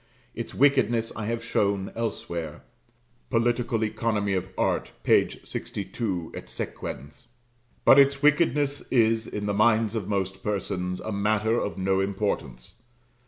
Its wickedness I have shown elsewhere (Polit. Economy of Art, p. 62, et seq.); but its wickedness is, in the minds of most persons, a matter of no importance.